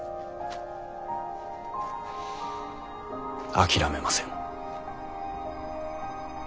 諦めません。